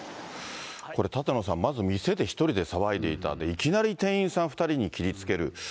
これ、舘野さん、店で１人で騒いでいた、いきなり店員さん２人に切りつける。